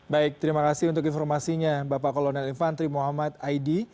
baik terima kasih untuk informasinya bapak kolonel infantri muhammad aidi